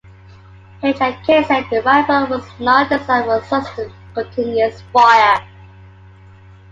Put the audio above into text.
H and K said the rifle was not designed for sustained, continuous fire.